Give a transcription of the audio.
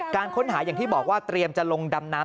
การค้นหาอย่างที่บอกว่าเตรียมจะลงดำน้ำ